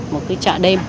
một cái trạ đêm